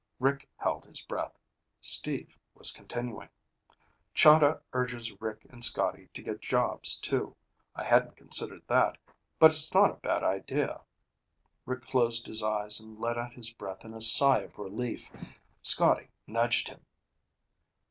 Rick held his breath. Steve was continuing: "Chahda urges Rick and Scotty to get jobs, too. I hadn't considered that, but it's not a bad idea." Rick closed his eyes and let out his breath in a sigh of relief. Scotty nudged him.